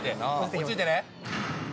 落ち着いてね。